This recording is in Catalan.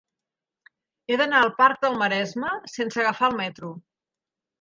He d'anar al parc del Maresme sense agafar el metro.